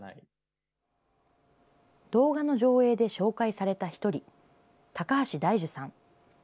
動画の上映で紹介された１人、高橋大就さん。